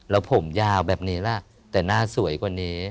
แล้วผมยาวแบบนี้ล่ะแต่หน้าสวยกว่านี้